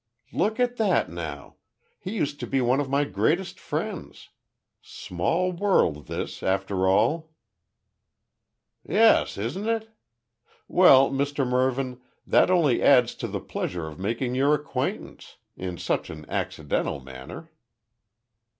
"Look at that now. He used to be one of my greatest friends. Small world this after all." "Yes, isn't it? Well, Mr Mervyn, that only adds to the pleasure of making your acquaintance in such an accidental manner."